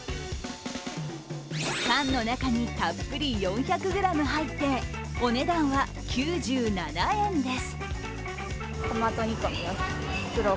缶の中にたっぷり４００ｇ入ってお値段は９７円です。